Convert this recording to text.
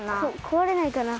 こわれないかな？